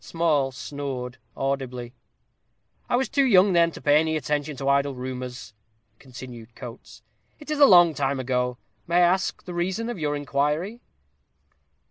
Small snored audibly. "I was too young, then, to pay any attention to idle rumors," continued Coates. "It's a long time ago. May I ask the reason of your inquiry?"